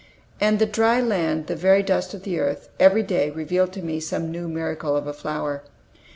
And the dry land, the very dust of the earth, every day revealed to me some new miracle of a flower.